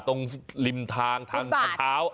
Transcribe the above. ตรงริมทางทางถาว